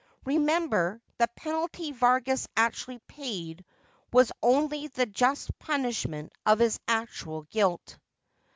Remember, the penalty Vargas actually paid was only the just punishment of his actual guilt.'